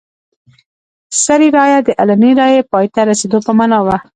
سري رایه د علني رایې پای ته رسېدو په معنا وه.